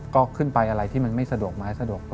ก็ขึ้นไปอะไรที่มันไม่สะดวกไม้สะดวก